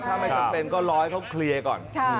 ถ้าไม่จำเป็นก็รอให้เขาเคลียร์ก่อน